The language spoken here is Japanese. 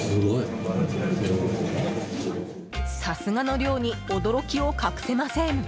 さすがの量に驚きを隠せません。